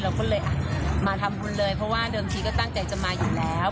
เราก็เลยอ่ะมาทำบุญเลยเพราะว่าเดิมทีก็ตั้งใจจะมาอยู่แล้ว